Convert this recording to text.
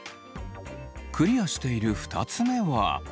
クリアしている２つ目は。